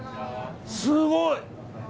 すごい！